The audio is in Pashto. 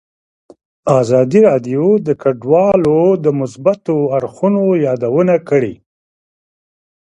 ازادي راډیو د کډوال د مثبتو اړخونو یادونه کړې.